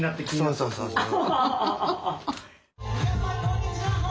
そうそうそうそう。